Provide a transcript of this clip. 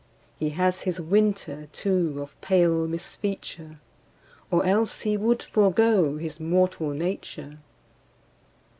He has his Winter too of pale misfeature, Or else he would forego his mortal nature.